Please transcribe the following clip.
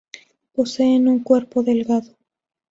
Poseen un cuerpo delgado.